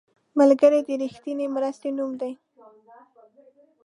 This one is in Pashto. ملګری د رښتینې مرستې نوم دی